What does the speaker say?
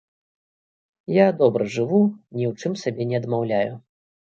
Я добра жыву, ні ў чым сабе не адмаўляю.